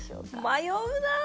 迷うなあ！